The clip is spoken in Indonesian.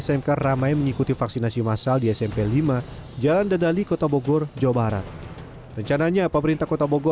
smk ramai mengikuti vaksinasi massal di smp lima jalan dadali kota bogor jawa barat rencananya